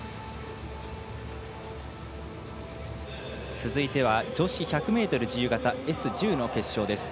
続いては、女子１００ｍ自由形Ｓ１０の決勝です。